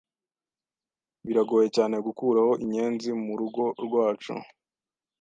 Biragoye cyane gukuraho inyenzi murugo rwacu.